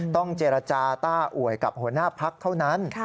ต้องเจรจาต้าอวยกับหัวหน้าพักเท่านั้น